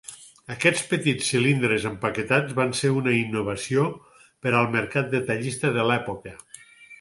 Aquests petits cilindres empaquetats van ser una innovació per al mercat detallista de l'època.